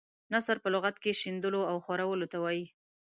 نثر په لغت کې شیندلو او خورولو ته وايي.